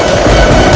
itu udah gila